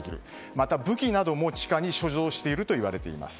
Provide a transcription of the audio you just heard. また武器なども地下に所蔵しているといわれています。